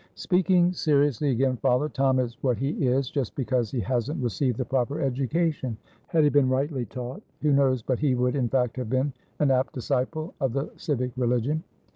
"Speaking seriously again, father, Tom is what he is just because he hasn't received the proper education. Had he been rightly taught, who knows but he would, in fact, have been an apt disciple of the civic religion?"